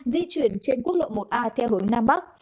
di chuyển trên quốc lộ một a theo hướng nam bắc